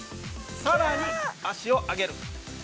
さらに、脚を上げる。